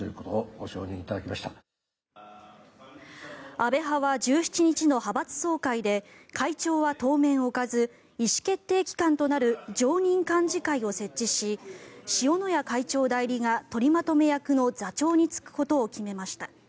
安倍派は１７日の派閥総会で会長は当面置かず意思決定機関となる常任幹事会を設置し塩谷会長代理が取りまとめ役の座長に就くことを決めました。